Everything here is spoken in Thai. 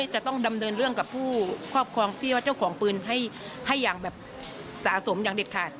จะต้องดำเนินเรื่องกับผู้ครอบครองที่ว่าเจ้าของปืนให้อย่างแบบสะสมอย่างเด็ดขาด